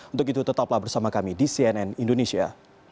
untuk itu tetaplah bersama kami di cnn indonesia